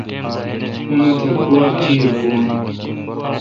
اونتھ گوا چیر بھون۔